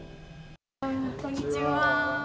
こんにちは。